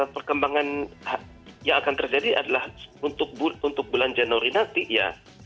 perkembangan yang akan terjadi adalah untuk bulan januari nanti ya